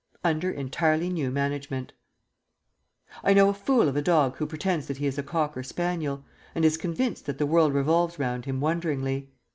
"UNDER ENTIRELY NEW MANAGEMENT" I know a fool of a dog who pretends that he is a Cocker Spaniel, and is convinced that the world revolves round him wonderingly.